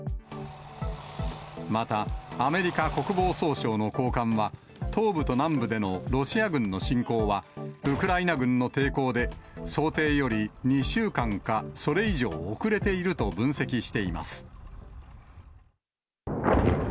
また、アメリカ国防総省の高官は、東部と南部でのロシア軍の侵攻は、ウクライナ軍の抵抗で、想定より２週間か、それ以上遅れていると分析しています。